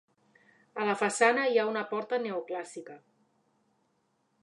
A la façana hi ha una porta neoclàssica.